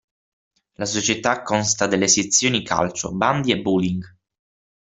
La società consta delle sezioni calcio, bandy e bowling.